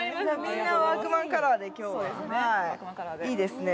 みんなワークマンカラーで今日はそうですね